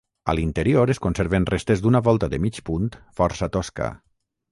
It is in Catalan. A l'interior es conserven restes d'una volta de mig punt força tosca.